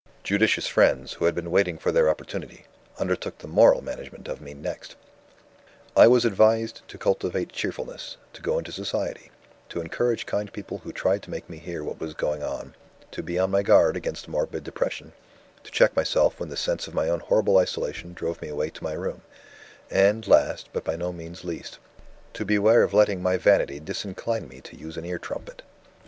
"Judicious friends, who had been waiting for their opportunity, undertook the moral management of me next. "I was advised to cultivate cheerfulness, to go into society, to encourage kind people who tried to make me hear what was going on, to be on my guard against morbid depression, to check myself when the sense of my own horrible isolation drove me away to my room, and, last but by no means least, to beware of letting my vanity disincline me to use an ear trumpet.